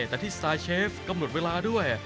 แต่ที่สตาร์เชฟกำหนดเวลาด้วย